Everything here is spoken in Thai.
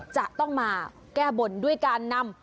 จะต้องมาแก้บนด้วยการนำ